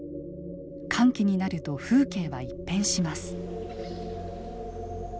乾季になると風景は一変します。